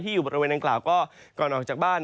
อยู่บริเวณดังกล่าวก็ก่อนออกจากบ้าน